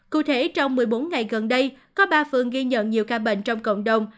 cụ thể trong một mươi bốn ngày gần đây có ba phường ghi nhận nhiều ca bệnh trong cộng đồng